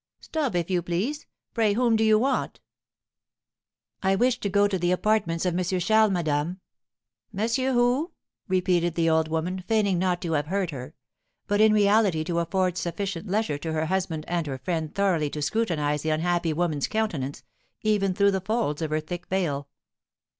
"Stop, if you please. Pray, whom do you want?" "I wish to go to the apartments of M. Charles, madame." "Monsieur who?" repeated the old woman, feigning not to have heard her, but in reality to afford sufficient leisure to her husband and her friend thoroughly to scrutinise the unhappy woman's countenance, even through the folds of her thick veil.